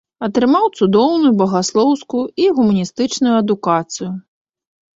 Атрымаў цудоўную багаслоўскую і гуманістычную адукацыю.